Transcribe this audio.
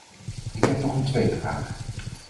Ik heb nog een tweede vraag.